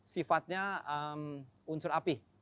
sifatnya unsur api